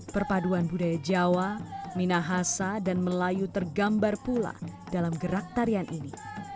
perpaduan budaya jawa minahasa dan melayu tergambar pula dalam gerak tarian ini